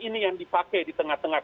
ini yang dipakai di tengah tengah